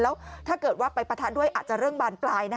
แล้วถ้าเกิดว่าไปปะทะด้วยอาจจะเรื่องบานปลาย